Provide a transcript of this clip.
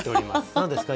何ですか？